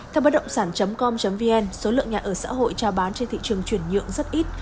theo bất động sản com vn số lượng nhà ở xã hội trao bán trên thị trường chuyển nhượng rất ít